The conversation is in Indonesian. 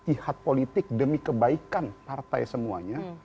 ihad politik demi kebaikan partai semuanya